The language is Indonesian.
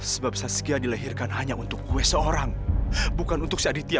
sebab saskia dilehirkan hanya untuk gue seorang bukan untuk si aditya